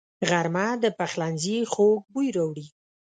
غرمه د پخلنځي خوږ بوی راوړي